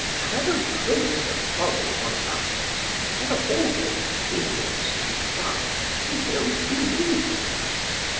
However gross a folly one utters, there are always idiots to be found who will believe it.